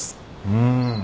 うん。